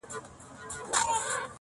د قدرت نشه مي نه پرېږدي تر مرگه،